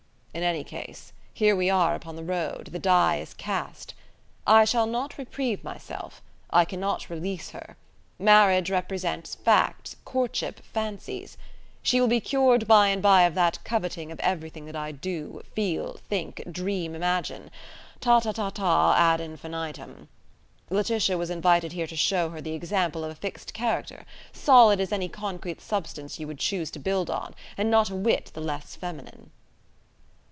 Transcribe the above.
In any case, here we are upon the road: the die is cast. I shall not reprieve myself. I cannot release her. Marriage represents facts, courtship fancies. She will be cured by and by of that coveting of everything that I do, feel, think, dream, imagine ... ta ta ta ta ad infinitum. Laetitia was invited here to show her the example of a fixed character solid as any concrete substance you would choose to build on, and not a whit the less feminine."